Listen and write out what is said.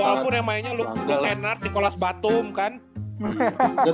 yaa wabur yang mainnya lu henard nicholas batum kan